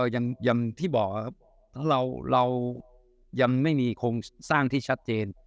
อย่างที่บอกครับเรายังไม่มีโครงสร้างที่ชัดเจน